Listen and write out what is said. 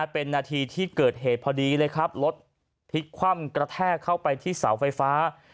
เป็นนาทีที่เกิดเหตุพอดีเลยครับรถพลิกคว่ำกระแทกเข้าไปที่เสาไฟฟ้า